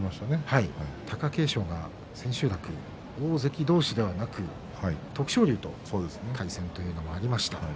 貴景勝が千秋楽大関同士ではなく徳勝龍と対戦ということがありました。